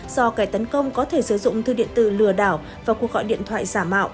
do kẻ tấn công có thể sử dụng thư điện tử lừa đảo và cuộc gọi điện thoại giả mạo